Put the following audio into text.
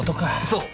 そう！